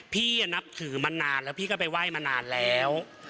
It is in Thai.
นับถือมานานแล้วพี่ก็ไปไหว้มานานแล้ว